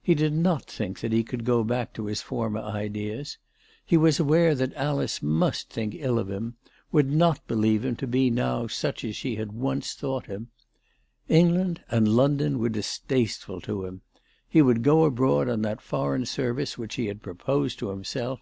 He did not think that he could go back to his former ideas. He was aware that Alice must think ill of him, would not believe him to be now such as she had once thought him. England and London were dis tasteful to him*. He would go abroad on that foreign service which he had proposed to himself.